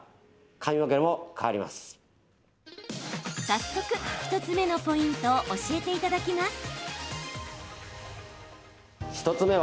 早速、１つ目のポイントを教えていただきます。